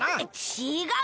ちがう！